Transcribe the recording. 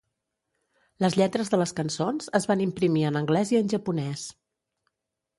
Les lletres de les cançons es van imprimir en anglès i en japonès.